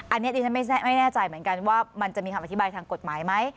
อันนี้ดิฉันไม่แน่ใจเหมือนกันว่ามันจะมีคำอธิบายทางกฎหมายไหม